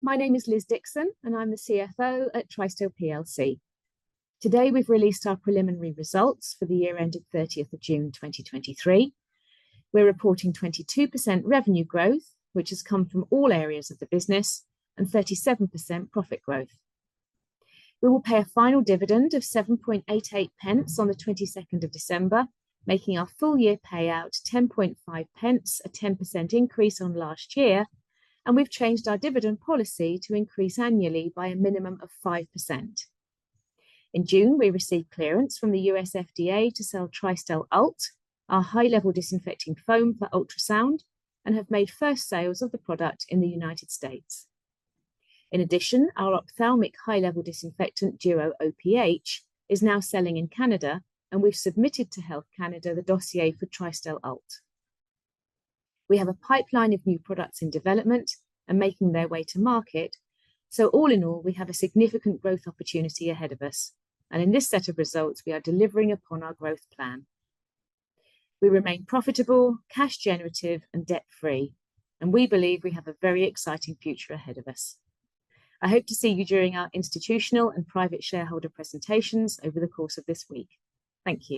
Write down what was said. My name is Liz Dixon, and I'm the CFO at Tristel plc. Today, we've released our preliminary results for the year ending 30th of June 2023. We're reporting 22% revenue growth, which has come from all areas of the business, and 37% profit growth. We will pay a final dividend of 7.88p on the 22nd of December, making our full-year payout 10.5p, a 10% increase on last year, and we've changed our dividend policy to increase annually by a minimum of 5%. In June, we received clearance from the U.S. FDA to sell Tristel ULT, our high-level disinfecting foam for ultrasound, and have made first sales of the product in the United States. In addition, our ophthalmic high-level disinfectant, Duo OPH, is now selling in Canada, and we've submitted to Health Canada the dossier for Tristel ULT. We have a pipeline of new products in development and making their way to market. So all in all, we have a significant growth opportunity ahead of us, and in this set of results, we are delivering upon our growth plan. We remain profitable, cash generative, and debt-free, and we believe we have a very exciting future ahead of us. I hope to see you during our institutional and private shareholder presentations over the course of this week. Thank you.